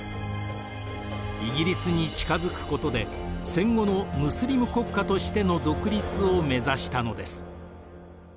イギリスに近づくことで戦後のムスリム国家としての独立を目指したのです。